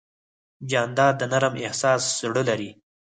جانداد د نرم احساس زړه لري.